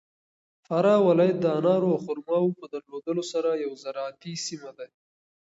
فراه ولایت د انارو او خرماوو په درلودلو سره یو زراعتي سیمه ده.